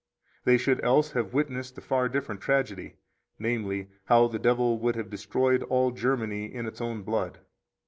They should else have witnessed a far different tragedy, namely, how the devil would have destroyed all Germany in its own blood.